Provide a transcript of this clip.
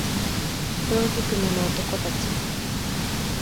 黒づくめの男たち